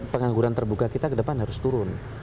pengangguran terbuka kita kedepan harus turun